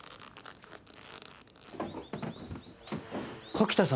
柿田さん